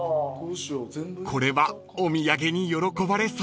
［これはお土産に喜ばれそう］